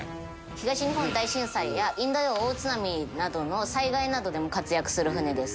東日本大震災やインド洋大津波などの災害などでも活躍する船です。